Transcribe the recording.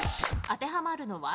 当てはまるのは？